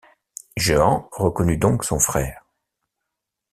Jehan reconnut donc son frère.